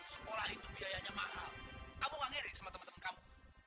sekolah itu biayanya mahal kamu